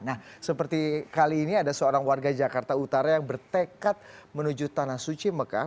nah seperti kali ini ada seorang warga jakarta utara yang bertekad menuju tanah suci mekah